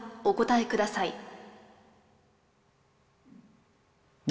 お答えください。